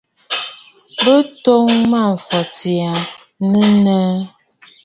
Bɨ tum Mâmfɔtì aa nɨ̀ nèʼè.